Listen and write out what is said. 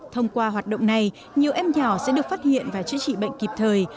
thông qua hoạt động này nhiều em nhỏ sẽ được phát hiện và chữa trị bệnh kịp thời